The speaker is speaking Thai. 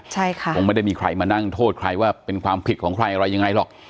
ใช่ค่ะคงไม่ได้มีใครมานั่งโทษใครว่าเป็นความผิดของใครอะไรยังไงหรอก